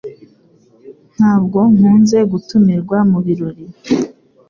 Ntabwo nkunze gutumirwa mubirori